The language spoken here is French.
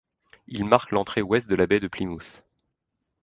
Il marque l'entrée ouest de la baie de Plymouth.